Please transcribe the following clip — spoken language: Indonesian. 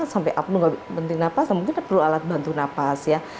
sampai api nggak penting nafas mungkin dia perlu alat bantu nafas ya